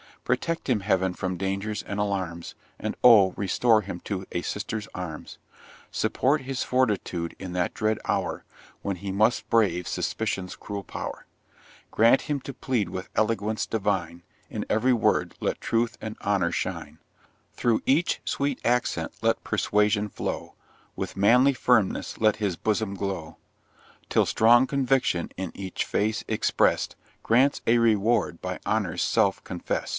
Protect him, Heav'n, from dangers and alarms, And oh! restore him to a sister's arms; Support his fortitude in that dread hour When he must brave Suspicion's cruel pow'r; Grant him to plead with Eloquence divine, In ev'ry word let Truth and Honour shine; Through each sweet accent let Persuasion flow, With manly Firmness let his bosom glow, Till strong Conviction, in each face exprest, Grants a reward by Honour's self confest.